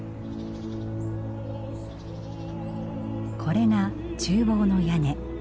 これが厨房の屋根。